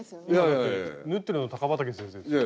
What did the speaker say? だって縫ってるの高畠先生ですよ。